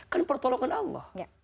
kan pertolongan allah